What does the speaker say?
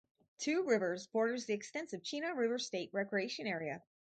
Two Rivers borders the extensive Chena River State Recreation Area.